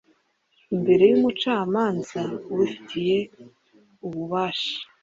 imbere y umucamanza ubifitiye ububasha